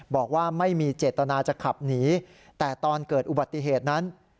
บอกว่าไม่มีเจตนาจะขับหนีแต่ตอนเกิดอุบัติเหตุนั้น